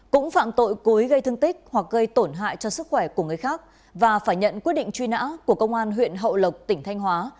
cũng phạm tội cố ý gây thương tích hoặc gây tổn hại cho sức khỏe của người khác và phải nhận quyết định truy nã của công an huyện hậu lộc tỉnh thanh hóa